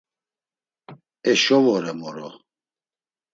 Eşo vore moro.